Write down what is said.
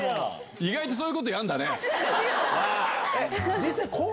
意外とそういうことやるんだ違う、違う。